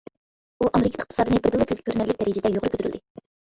ئۇ ئامېرىكا ئىقتىسادىنى بىردىنلا كۆزگە كۆرۈنەرلىك دەرىجىدە يۇقىرى كۆتۈرۈلدى.